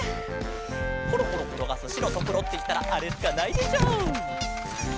コロコロころがすしろとくろっていったらあれしかないでしょう！